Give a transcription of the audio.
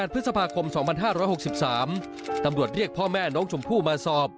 พฤษภาคม๒๕๖๓ตำรวจเรียกพ่อแม่น้องชมพู่มาสอบ